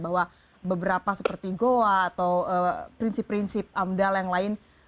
bahwa beberapa seperti goa atau prinsip prinsip amdal yang lain